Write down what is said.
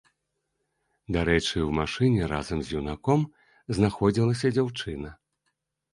Дарэчы, у машыне разам з юнаком знаходзілася дзяўчына.